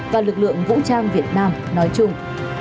và lực lượng vũ trang việt nam nói chung